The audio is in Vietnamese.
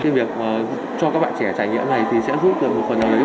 thế việc cho các bạn trẻ trải nghiệm này thì sẽ giúp được một phần là lấy gọi là